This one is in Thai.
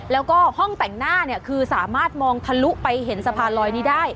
แล้วก็ห้องแต่งหน้าเนี่ยคือสามารถมองทะลุไปเห็นสะพานลอยนี้ได้